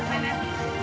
lagi ya men